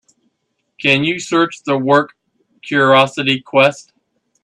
Can you search the work, Curiosity Quest?